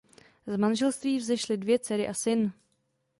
Z manželství vzešli dvě dcery a syn.